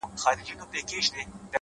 د باد له راتګ مخکې هوا بدلېږي!